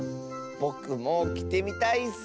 ぼくもきてみたいッス。